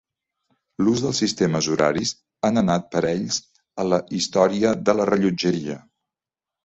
L'ús dels sistemes horaris han anat parells a la història de la rellotgeria.